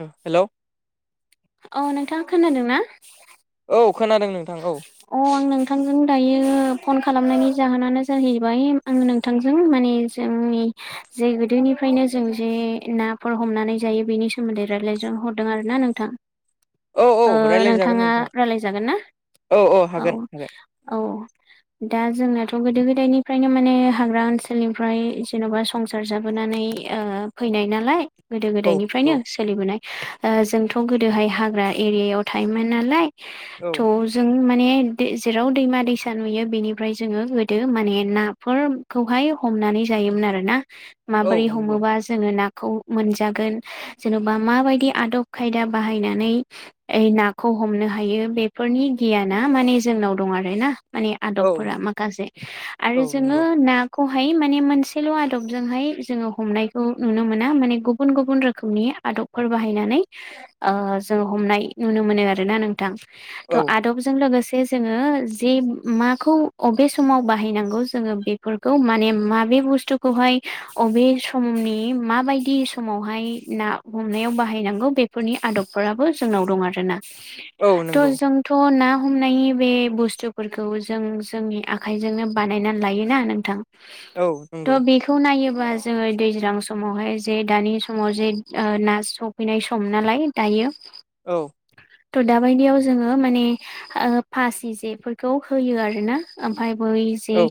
Hello औ नोंथां खोनादों ना औ खोनादों नोंथां औ अ आं नोंथांजों दायो फन खालामनायनि जाहोनानो जाहैबाय आं नों थांजों माने जोंनि जे गोदोनिफ्रायनो जों जे नाफोर हमनानै जायो बेनि सोमोन्दै रायज्लायज हरदों आर ना नों थां औ ओ औ रायलायजागोन नोंथाङा नोंथां रायलायजागोन ना औ औ दा जोंनाथ' गोदो गोदायनिफ्रायनो माने हाग्रा ओनसोलनिफ्राय जेन'बा संसार जाबोनानै ओ फैनाय नालाय गोदो औ गोदायनिफ्रायनो सोलिबोनाय ओ जोंथ' गोदोहाय हाग्रा एरियायाव थायोमोन नालाय थ' औ जों माने जेराव दैमा दैसा नुयो बेनिफ्राय जोङो गोदो माने नाफोर खौहाय हमनानै जायोमोन आरो ना माबोरै नंगौ हमोबा जोङो नाखौ मोनजागोन जेन'बा माबायदि आदब खायदा बाहायनानै नाखौ हमनो हायो बेफोरनि गियाना माने जोंनाव दं आर ना माने औ आदबफोरा माखासे औ आरो जोङो नंगौ ना खौहाय माने मोनसेल' आदबजोंहाय जोङो हमनायखौ नुनो मोना माने गुबुन गुबुन रोखोमनि आदब फोर बाहायनानै ओ जों हमनाय नुनो मोनो आरोना नोंथां। थ' औ। आदबजों लोगोसे जोङो जे माखौ अबे समाव बाहायनांगौ जोङो बेफ फोरखौ माने माबे बुस्थुखौहाय अबे समनि माबायदि समावहाय ना हमनायाव बाहायनांगौ बेफोरनि आदबफोराबो जोंनाव दं आरोना औ नंगौ थह जों थ' ना हमनायनि बे बुस्थुफोरखौ जों जोंनि आखाइजोंनो बानायनानै लायोना नोंथां। औ औ नंगौ औ नंगौ तह बे खौ नायोबा जोङो दैज्रां समावहाय जे दानि समाव जे ओ ना स फैनाय सम नालाय दायो। औ। थ' दाबायदियाव जोङो माने ओ फासि जेफोरखौ होयो आरोना। ओमफ्राय बै जे औ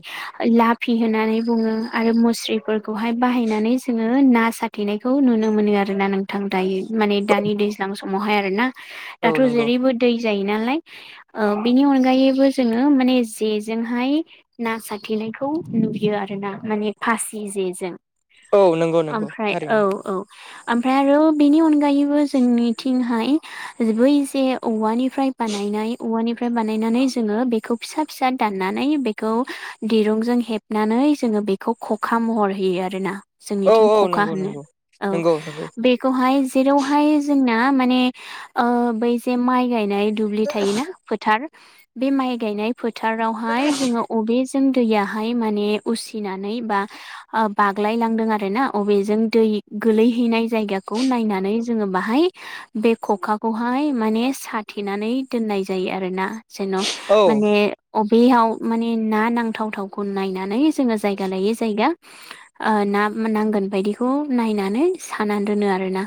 लाभ फि होनानै बुङो आरो मुस्रिफोरखौहाय बाहायनानै जोङो ना साथेनायखौ नुनो मोनो आरोना नों थां दायो माने दानि दैज्लां समावहाय आर ना औ दाथ' नंगौ जेरैबो दै जायो नालाय। ओ बिनि अनगायैबो जोङो माने जेजोंहाय ना सारथेनायखौ नुयो आरो ना माने फासि जेजों। औ नंगौ नंगौ ओमफ्राय थारैनो औ औ। ओमफ्राय आरो बेनि अनगायैबो जोंनिथिंहाय बै जे औवानि फ्राय बानायनाय हौवानिफ्राय बानायनानै जोङो बेखौ फिसा फिसा दाननानै बेखौ खौ दिरुंजों हेबनानै जोङो बेखौ खखा महर होयो आरोना। औ जोंनिथिं औ खखा नंगौ होनो नंगौ औ नंगौ नंगौ बे खौहाय जेरावहाय जोंना माने ओ बै जे माइ गायनाय दुब्लि थायोना फोथार बे माइ गायनाय फोथारावहाय जोङो अबे जों दैयाहाय माने उसिनानै बा ओ बाग्लाय लांदों आरोना अबेजों दै गोलैहैनाय जायगाखौ नायनानै जोङो बाहाय बे खखाखौहाय माने सा थेनानै दोननाय जायो आरोना जेन' औ माने अबेयाव माने ना नांथावथावखौ नायनानै जोङो जायगा लायै जायगा ओ ना नांगोन बायदिखौ नायनानै साना दोनो आरोना।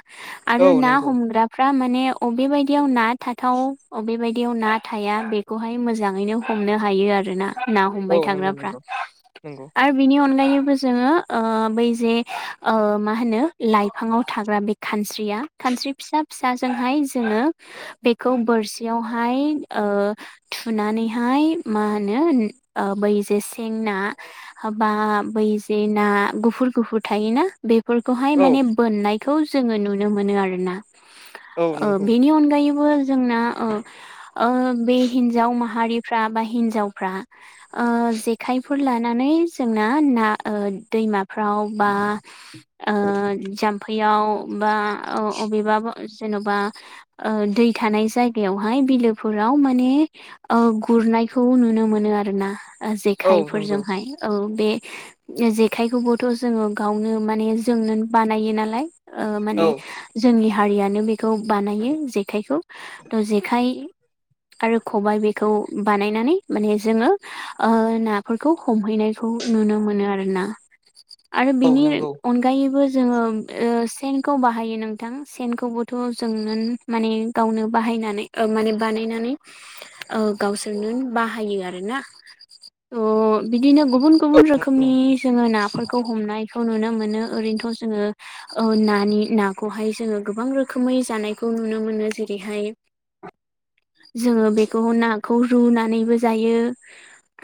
औ आरो ना नंगौ हमग्राफ्रा माने अबे बायदियाव ना थाथाव अबेबायद याव ना थाया बेखौहाय मोजाङैनो हमनो हायो आरोना। ना हमबाय औ नंगौ थाग्राफ्रा नंगौ नंगौ आरो बिनि अनगायैबो जोङो ओ बै जे ओ मा होनो लाइफाङाव थाग्रा बे खानस्रिया खानस्रि फिसा फिसाजोंहाय जोङो बेखौ बोरसियावहाय ओ थुनानैहाय मा होनो बै जे सें ना हा बा बै जे ना गुफुर गुफुर थायोना। बेफोरखौहाय औ माने बोननायखौ जोङो नुनो मोनो आरोना। औ ओ नंगौ बेनि अनगायै बो जोंना ओ ओ बे हिन्जाव माहारिफ्रा बा हिन्जावफ्रा ओ जेखायफोर लानानै जोंना ना ओ दैमा फ्राव बा ओ जाम्फैयाव बा अ अबेबा ब जेनबा ओ दै थानाय जायो। जायगायावहाय बिलोफोराव माने ओ गुरनायखौ नुनो मोनो आरोना। औ नंगौ जेखायफोरजोंहाय। औ बे जेखाइखौबोथ' जोङो गावनो माने जोंनो बानायो नालाय। ओ माने औ जोंनि हारियानो बेखौ बानायो जेखाइखौ थ' जेखाइ आरो खबाय बेखौ बानायनानै माने जोङो ओ ना फोरखौ हमहैनायखौ नुनो मोनो आरोना आरो औ बिनि नंगौ अनगा अनगायैबो जोङो ओ सेनखौ बाहायो नोंथां सेनखौबोथ' जोंनो माने गावनो बाहायनानै माने बानायनानै ओ गावसोरनो बाहायो आरोना अ बिदिनो गुबुन गुबुन औ रोखोमनि जोङो नाफोरखौ हमनाय खौ नुनो मोनो ओरैनोथ' जोङो ओ नानि नाखौहाय जोङो गोबां रोखोमै जानायखौ खौ नुनो मोनो जेरैहाय जोङो बेखौ नाखौ रुनानैबो जायो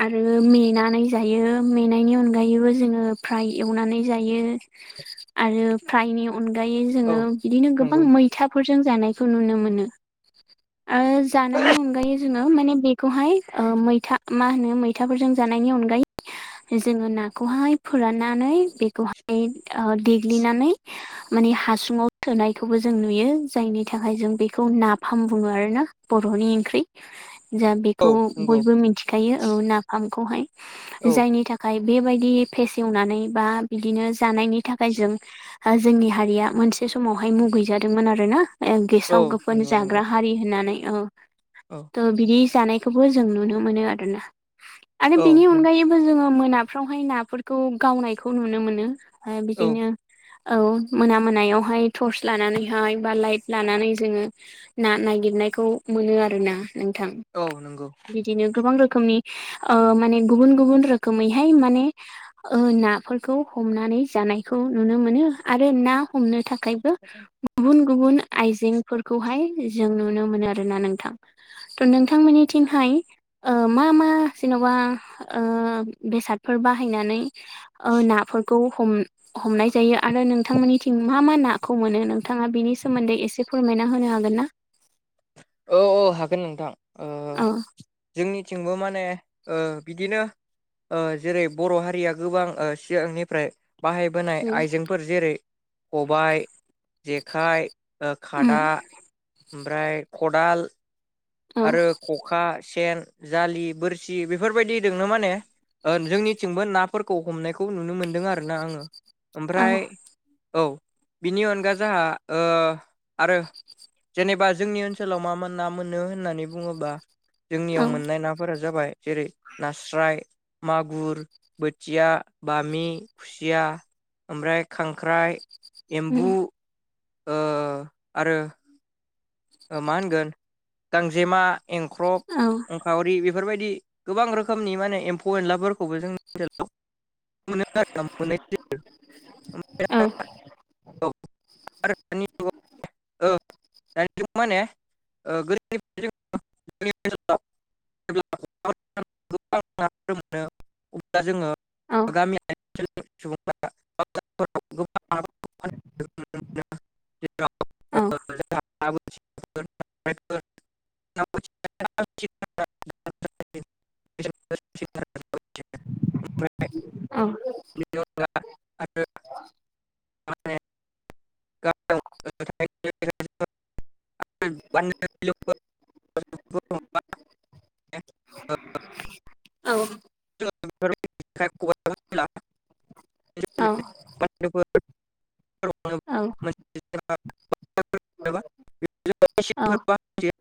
आरो मेनानै जायो मेनायनि अनगायैबो जोङो फ्राय एवनानै जायो। आरो फ्रायनि अनगायै जोङो बिदिनो गोबां नंगौ मैथाफोरजों जानायखौ नुनो मोनो। आरो जानायनि अनगायै जोङो माने बेखौहाय ओ मैथा मा होनो मैथाफोरजों जानायनि अनगायै जोङो नाखौहाय फोराननानै बेखौहाय ओ देग्लिनानै माने हासुंआव सोनायखौबो जों नुयो। जायनि थाखाय जों बेखौ नाफाम बुङो आरो ना बर'नि ओंख्रि जा बेखौ औ नंगौ बयबो मिथिखायो औ नाफामखौहाय औ जायनि था खाय बेबायदि फेसे एवनानै बा बिदिनो जानायनि थाखाय जों जोंनि हारिया मोनसे समावहाय मुगैजादोंमोन आरो ना। औ गेसाव गोफोन नंगौ जाग्रा नंगौ हारि होननानै औ औ त' बिदि बि जानायखौबो जों नुनो मोनो आरोना आरो बिनि औ अनगायै जोङो मोनाफ्रावहाय नाफोरखौ गावनायखौ नुनो मोनो ओ बिदिनो औ मोना मोनायावहाय टर्स लानानैहाय बा लाइट लानानै जोङो ना नागिरनायखौ मोनो आरो ना नोंथां। औ नंगौ बिदिनो गोबां रोखोमनि ओ माने गुबुन गुबुन रोखोमैहाय माने ओ नाफोरखौ हमनानै जानायखौ नुनो मोनो आरो ना हमनो थाखाय गुबुन गुबुन आइजेंफोरखौहाय जों नुनो मोनो आरोना नोंथां। त' नोंथांमोननिथिंहाय ओ मा मा जेन'बा ओ बेसादफोर बाहायनानै ओ नाफोरखौ हम हमनाय जायो आरो नोंथांमोननिथिं मा मा नाखौ मोनो नोंथाङा बिनि सोमोन्दै एसे फोरमायना होनो हागोन ना? औ औ हागोन नोंथां ओ औ जोंनिथिंबो माने ओ बिदिनो ओ जेरै बर' हारिया गोबां ओ सिगांनिफ्राय बाहाय बोनाय उम आइजेंफोर जेरै खबाइ जेखाइ ओ खादा ओमफ्राय खदाल औ आरो खखा, सेन, जालि, बोरसि बेफोरबायदि दोंनो माने ओ जोंनिथिंबो नाफोरखौ हमनायखौ नुनो मोनदों आरो ना आङो औ ओमफ्राय औ बिनि अनगा जाहा ओ आरो जेनेबा जोंनि ओनस नसोलाव मा ना मोनो होननानै बुङोबा औ जोंनियाव मोननाय ना फोरा जाबाय जेरै नास्राय मागुर बोथिया बामि खुसिया ओमफ्राय खांख्राइ एम्बु उम ओ आरो मा होनगोन गांजेमा, एंख्रब, औ अंखावरि बे बेफोरबायदि गोबां रोखोमनि माने एम्फौ एनलाफोरखौबो जोंनि ओनसोलाव औ [unintelligible] [unintelligible] माने [unintelligible] गोबां नाफोर मोनो अब्ला जोङो [unintelligible] औ गामि [unintelligible] [unintelligible] औ [unintelligible] [unintelligible] ना औ [unintelligible] [unintelligible] [unintelligible] [unintelligible] [unintelligible] [unintelligible] औ [unintelligible] औ औ [unintelligible]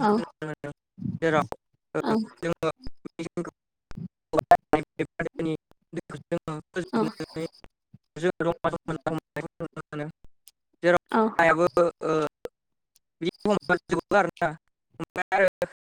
औ औ [unintelligible] मिसिनखौ औ [unintelligible] [unintelligible] औ [inaudible] [inaudible]